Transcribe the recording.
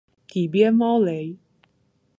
底边猫雷！